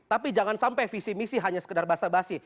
tapi jangan sampai visi misi hanya sekedar basa basi